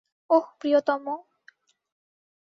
ওহ, প্রিয়তম।